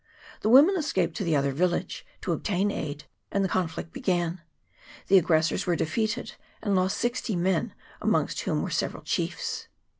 The women escaped to the other village, to obtain aid, and the conflict began. The aggressors were defeated, and lost sixty men, amongst whom were several chiefs.